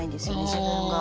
自分が。